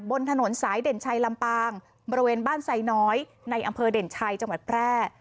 บนถนนสายเด่นชัยลำปางบริเวณบ้านไซน้อยในอำเภอเด่นชัยจังหวัดแพร่